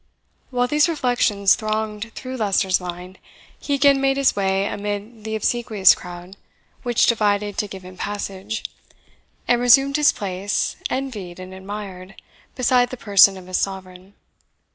While these reflections thronged through Leicester's mind, he again made his way amid the obsequious crowd, which divided to give him passage, and resumed his place, envied and admired, beside the person of his Sovereign.